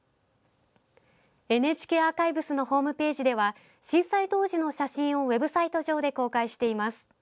ＮＨＫアーカイブスのホームページでは震災当時の写真をウェブサイト上で公開しています。